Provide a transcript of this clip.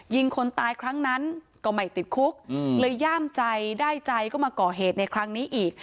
ยิงคนตายครั้งนั้นก็ไม่ติดคุกเลยย่ามใจได้ใจก็มาก่อเหตุในครั้งนี้อีก